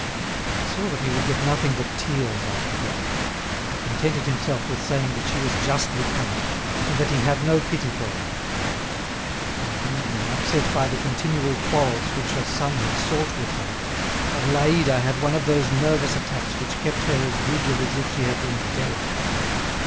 He saw that he would get nothing but tears out of her, and contented himself with saying that she was justly punished, and that he had no pity for her. In the evening, upset by the continual quarrels which her son had sought with her, Adélaïde had one of those nervous attacks which kept her as rigid as if she had been dead.